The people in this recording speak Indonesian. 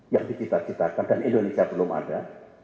yang dicita citakan dan indonesia belum ada